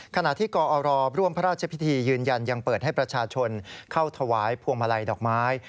ขณะที่กอรร่วมพระราชพิธียืนยันยังเปิดให้ประชาชนเข้าถวายพวงมาลัยดอกไม้